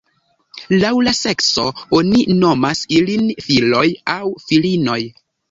Laŭ la sekso oni nomas ilin filoj aŭ filinoj.